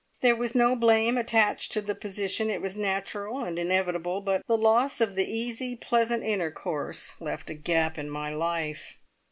There was no blame attached to the position, it was natural and inevitable; but the loss of the easy, pleasant intercourse left a gap in my life.